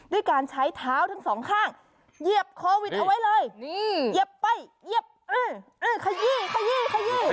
ด้วยการใช้เท้าทั้งสองข้างเหยียบโควิดเอาไว้เลยเหยียบไปเหยียบ